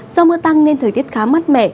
do mưa tăng nên thời tiết khá mát mẻ